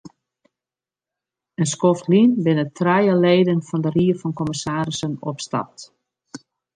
In skoft lyn binne trije leden fan de ried fan kommissarissen opstapt.